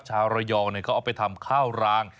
ชาวระยองเขาเอาไปทำข้าวราง